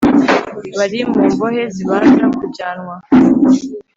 bari mu mbohe zibanza kujyanwa